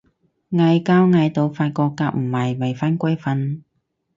嗌交嗌到發覺夾唔埋咪返歸瞓